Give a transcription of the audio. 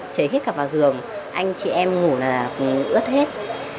trời hết cả vào giường anh chị em ngủ là cũng ướt hết